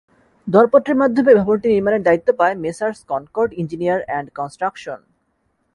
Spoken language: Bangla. দরপত্রের মাধ্যমে ভবনটি নির্মাণের দায়িত্ব পায় Messrs Concord engineer and construction.